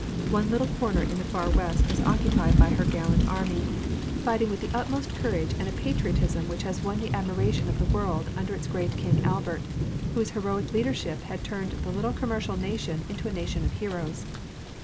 One little corner in the far west was occupied by her gallant army, fighting with the utmost courage and a patriotism which has won the admiration of the world under its great King Albert, whose heroic leadership had turned the little commercial nation into a nation of heroes.